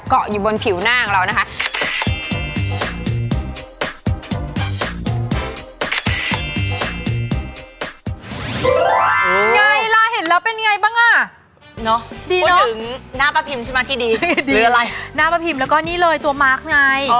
ถ้าอย่างนั้นเรามาช่วงนี้เลยดีกว่าช่วง